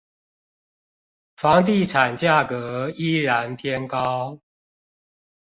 房地產價格依然偏高